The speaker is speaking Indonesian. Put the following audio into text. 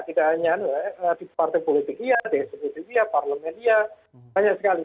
tidak hanya di partai politik iya di eksekutif iya parlemen iya banyak sekali